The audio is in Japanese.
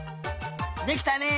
できたね！